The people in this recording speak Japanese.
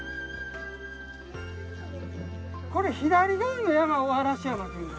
これ左側の山を嵐山というんですよ。